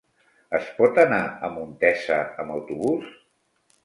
Es pot anar a Montesa amb autobús?